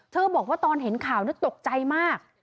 บอกว่าตอนเห็นข่าวนั้นตกใจมาก